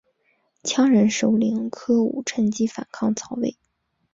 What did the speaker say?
羌人首领柯吾趁机反抗曹魏。